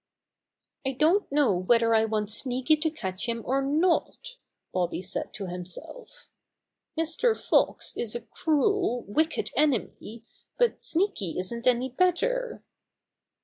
"I don't know whether I want Sneaky to catch him or not," Bobby said to himself. "Mr. Fox is a cruel, wicked enemy, but Sneaky isn't any better.